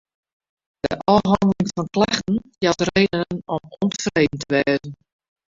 De ôfhanneling fan klachten jout reden om ûntefreden te wêzen.